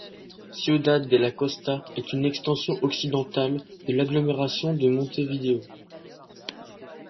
Ciudad de la Costa est une extension occidentale de l'agglomération de Montevideo.